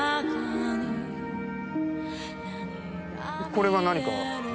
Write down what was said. これが何か？